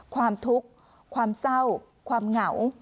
ความทุกข์ความเศร้าความเหงา